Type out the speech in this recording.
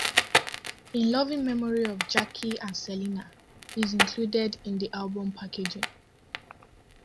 In loving memory of Jackie and Selena, is included in the album's packaging.